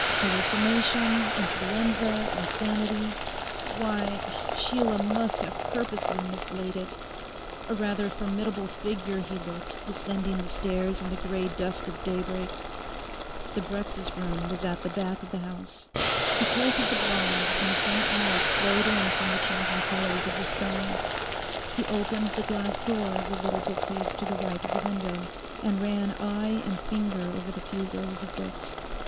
Hallucination, Influenza, Insanity—why, Sheila must have purposely mislaid it. A rather formidable figure he looked, descending the stairs in the grey dusk of daybreak. The breakfast room was at the back of the house. He tilted the blind, and a faint light flowed in from the changing colours of the sky. He opened the glass door of the little bookcase to the right of the window, and ran eye and finger over the few rows of books.